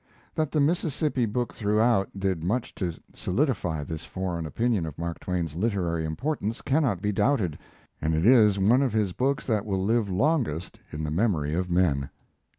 That the Mississippi book throughout did much to solidify this foreign opinion of Mark Twain's literary importance cannot be doubted, and it is one of his books that will live longest in the memory of men.